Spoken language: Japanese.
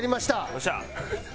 よっしゃ！